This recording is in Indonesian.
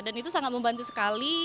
dan itu sangat membantu sekali